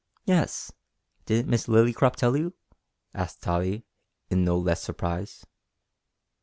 "Yes; didn't Miss Lillycrop tell you?" asked Tottie in no less surprise.